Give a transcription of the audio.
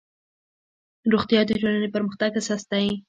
روغتیا د ټولنې د پرمختګ اساس دی